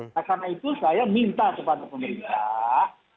nah karena itu saya minta kepada pemerintah